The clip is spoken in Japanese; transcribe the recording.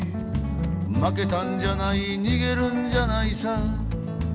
「負けたんじゃない逃げるんじゃないさ」